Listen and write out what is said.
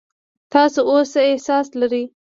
تاسو اوس څه احساس لرئ؟